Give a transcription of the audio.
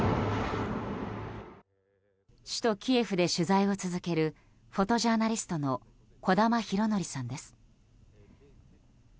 首都キエフで取材を続けるフォトジャーナリストの児玉浩宜さんです。